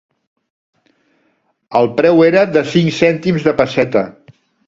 El preu era de cinc cèntims de pesseta.